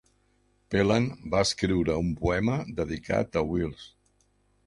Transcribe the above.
Phelan va escriure un poema dedicat a Wills.